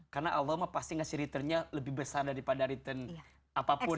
karena allah pasti ngasih returnnya lebih besar daripada return apapun gitu